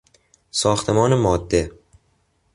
ساختمان ماده